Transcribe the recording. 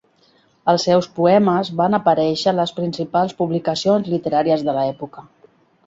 Els seus poemes van aparèixer a les principals publicacions literàries de l'època.